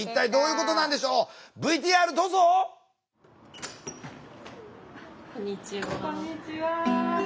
こんにちは。